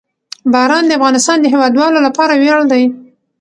باران د افغانستان د هیوادوالو لپاره ویاړ دی.